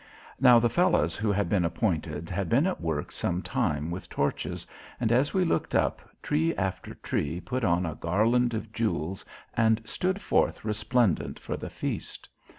Now the fellows who had been appointed had been at work some time with torches and as we looked up tree after tree put on a garland of jewels and stood forth resplendent for the feast.